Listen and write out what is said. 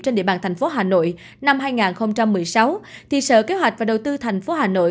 trên địa bàn thành phố hà nội năm hai nghìn một mươi sáu thì sở kế hoạch và đầu tư thành phố hà nội